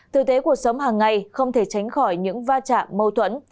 từ thế cuộc sống hàng ngày không thể tránh khỏi những va trạng mâu thuẫn